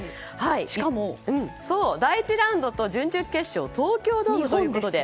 しかも第１ラウンドと準々決勝は東京ドームという。